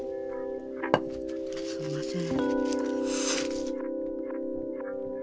すみません。